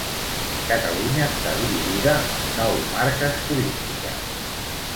Catalunya està dividida en nou marques turístiques.